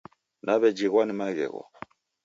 Nawejighwa ni maghegho